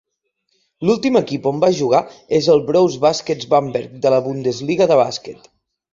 L'últim equip on va jugar és el Brose Baskets Bamberg, de la Bundesliga de bàsquet.